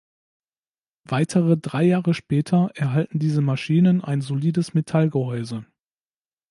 Weitere drei Jahre später erhalten diese Maschinen ein solides Metallgehäuse.